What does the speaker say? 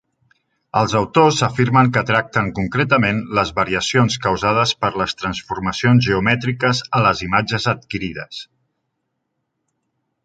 Els autors afirmen que tracten concretament les variacions causades per les transformacions geomètriques a les imatges adquirides.